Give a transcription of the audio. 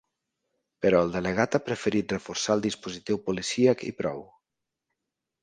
Però el delegat ha preferit reforçar el dispositiu policíac i prou.